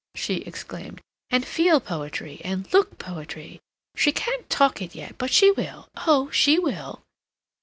she exclaimed, "and feel poetry, and look poetry! She can't talk it yet, but she will—oh, she will!"